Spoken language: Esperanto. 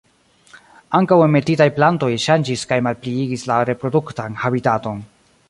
Ankaŭ enmetitaj plantoj ŝanĝis kaj malpliigis la reproduktan habitaton.